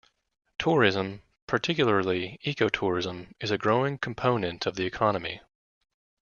Tourism, particularly ecotourism, is a growing component of the economy.